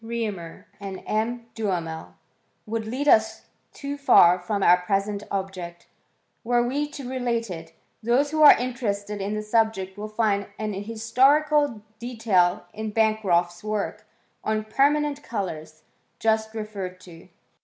Reaumur, and M. Duhamel, would lead us too far from our present object, were we to relate it : those who are interested in the subject will find an historical detail in Bancroft's work on Perma* nent Colours, just referred to.